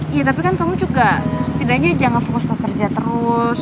ya tapi kan kamu juga setidaknya jangan fokus ke kerja terus